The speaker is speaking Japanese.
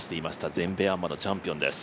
全米アマのチャンピオンです。